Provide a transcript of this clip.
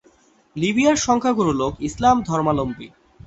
লিবিয়ার সংখ্যাগুরু লোক ইসলাম ধর্মাবলম্বী।